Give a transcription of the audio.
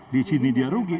di sini dia rugi